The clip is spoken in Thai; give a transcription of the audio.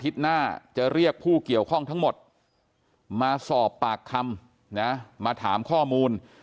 หน้าจะเรียกผู้เกี่ยวข้องทั้งหมดมาสอบปากคำนะมาถามข้อมูล